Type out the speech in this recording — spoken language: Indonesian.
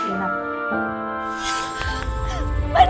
dia dulu selama tiga hari